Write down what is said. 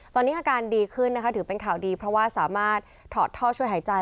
ตอนนี้อาการดีขึ้นนะคะถือเป็นข่าวดีเพราะว่าสามารถถอดท่อช่วยหายใจ